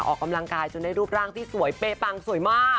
ออกกำลังกายจนได้รูปร่างที่สวยเป๊ปังสวยมาก